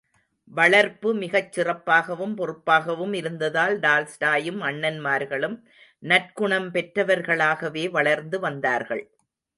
வளர்ப்பு மிகச் சிறப்பாகவும் பொறுப்பாகவும், இருந்ததால், டால்ஸ்டாயும் அண்ணன்மார்களும் நற்குணம் பெற்றவர்களாகவே வளர்ந்து வந்தார்கள்.